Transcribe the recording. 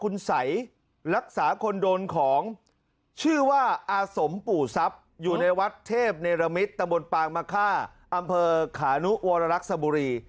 ในระมิดตำบลปางมาฆ่าอำเภอขานุวรรลักษณ์สบุรี